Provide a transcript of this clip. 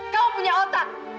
kamu punya otak